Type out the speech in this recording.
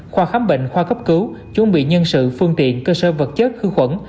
khoa khám bệnh khoa cấp cứu chuẩn bị nhân sự phương tiện cơ sở vật chất hư khuẩn